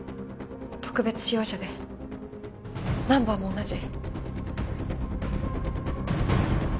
特別仕様車でナンバーも同じ。